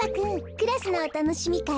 クラスのおたのしみかい